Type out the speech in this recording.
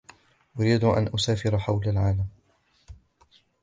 أريد أن أسافر حول العالم.